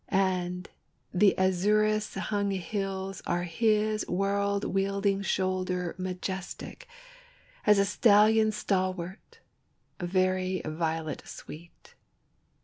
And the azurous hung hills are his world wielding shoulder Majestic as a stallion stalwart, very violet sweet!